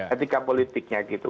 etika politiknya gitu